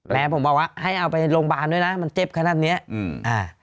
แล้วผมบอกว่าให้เอาไปโรงพยาบาลด้วยนะมันเจ็บขนาดเนี้ยอืมอ่า